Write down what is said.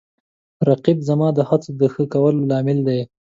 رقیب زما د هڅو د ښه کولو لامل دی